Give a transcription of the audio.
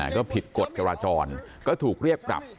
ก็ผิดกฎจราจรก็ถูกเรียกปรับ